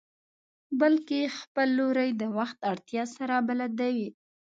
بلکې خپل لوری د وخت له اړتيا سره بدلوي.